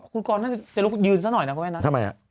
คุณกรน่าจะรู้คุณยืนสักหน่อยนะคุณแม่นะทำไม